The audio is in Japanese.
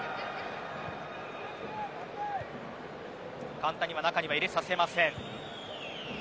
簡単には中に入れさせません。